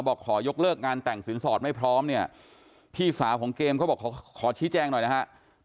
บอกขอยกเลิกงานแต่งสินสอดไม่พร้อมเนี่ยพี่สาวของเกมเขาบอกขอชี้แจงหน่อยนะฮะ